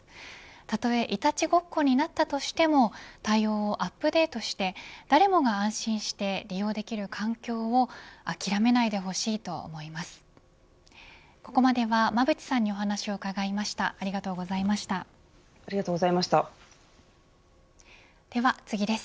たとえいたちごっこになったとしても対応をアップデートして誰もが安心して利用できる環境を諦めないでほしいと思います。